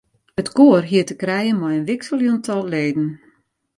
It koar hie te krijen mei in wikseljend tal leden.